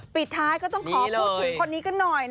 ปิดท้ายก็ต้องขอพูดถึงคนนี้กันหน่อย